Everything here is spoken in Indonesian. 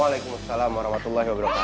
waalaikumsalam warahmatullahi wabarakatuh